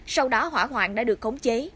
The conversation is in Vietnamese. sau đó hỏa hoạn đã được khống chế